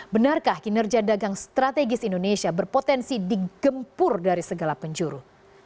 benarkah kinerja dagang strategis indonesia berpotensi digempur dari segala penjuru